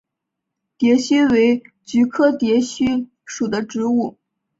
蝶须为菊科蝶须属的植物。